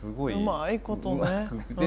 うまいことね。